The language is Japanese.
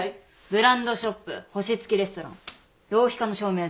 ブランドショップ星付きレストラン浪費家の証明はじゅうぶんです。